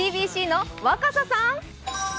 ＣＢＣの若狭さん。